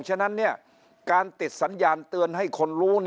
ฉะนั้นการติดสัญญาณเตือนให้คนรู้